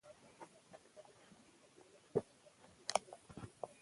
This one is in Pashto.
شاباش شاباش شاباش ستا په زلفو په كاكل